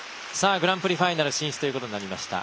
グランプリファイナル進出ということになりました。